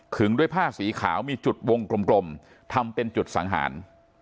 ด้วยผ้าสีขาวมีจุดวงกลมทำเป็นจุดสังหาร